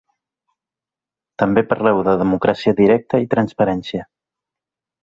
També parleu de democràcia directa i transparència.